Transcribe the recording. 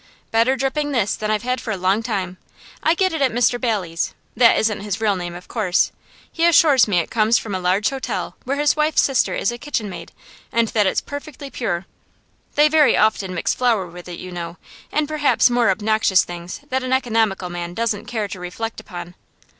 'Better dripping this than I've had for a long time. I get it at Mr Bailey's that isn't his real name, of course. He assures me it comes from a large hotel where his wife's sister is a kitchen maid, and that it's perfectly pure; they very often mix flour with it, you know, and perhaps more obnoxious things that an economical man doesn't care to reflect upon.